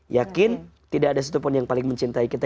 yakin tidak ada satupun yang paling mencintai kita